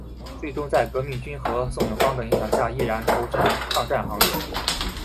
最终在革命军和宋永芳的影响下毅然投身抗战行列。